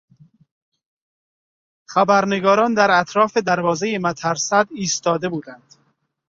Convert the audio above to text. خبرنگاران در اطراف دروازه مترصد ایستاده بودند.